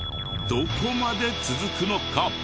どこまで続くのか？